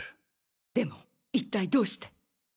でも一体どうして？